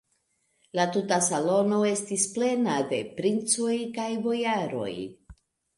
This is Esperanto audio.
La tuta salono estis plena de princoj kaj bojaroj.